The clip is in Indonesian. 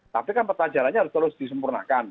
tapi kan petajarannya harus terus disempurnakan